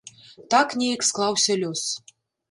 Так неяк склаўся лёс.